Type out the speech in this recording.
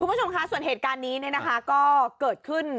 คุณผู้ชมค่ะส่วนเหตุการณ์นี้เนี่ยนะคะก็เกิดขึ้น